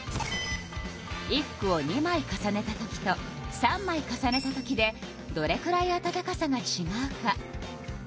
衣服を２枚重ねたときと３枚重ねたときでどれくらい暖かさがちがうか。